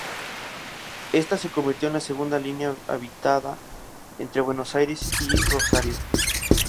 Esta se convirtió en la segunda línea habilitada entre Buenos Aires y Rosario.